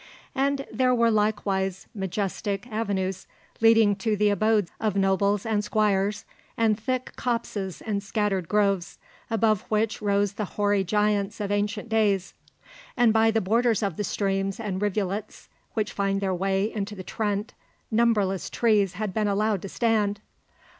And there were likewise majestic avenues leading to the abodes of nobles and squires, and thick copses and scattered groves, above which rose the hoary giants of ancient days; and by the borders of the streams and rivulets which find their way into the Trent numberless trees had been allowed to stand.